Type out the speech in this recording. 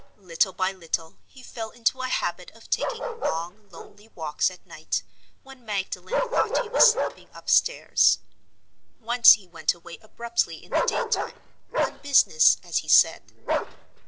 Little by little he fell into a habit of taking long, lonely walks at night, when Magdalen thought he was sleeping upstairs. Once he went away abruptly in the day time—on business, as he said.